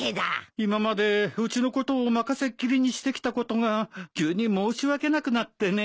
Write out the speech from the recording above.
今までうちのことを任せっきりにしてきたことが急に申し訳なくなってね。